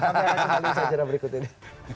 apa yang akan jadi usaha jenah berikutnya